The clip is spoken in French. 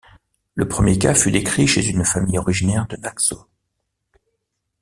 Le premier cas fut décrit chez une famille originaire de Naxos.